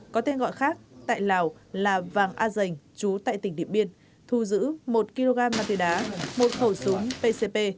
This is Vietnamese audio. có tên gọi khác tại lào là vàng a dành chú tại tỉnh điện biên thu giữ một kg ma túy đá một khẩu súng pcp